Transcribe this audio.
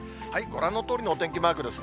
ご覧のとおりのお天気マークです。